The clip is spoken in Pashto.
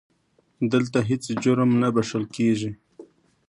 دلته هیڅ جرم نه بښل کېږي.